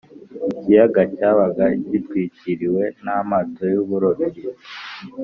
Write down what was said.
ikiyaga cyabaga gitwikiriwe n’amato y’uburobyi